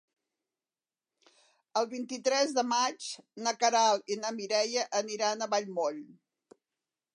El vint-i-tres de maig na Queralt i na Mireia aniran a Vallmoll.